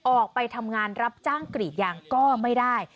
ออกไปทำงานรับจ้างกรีดยางก็ไม่ได้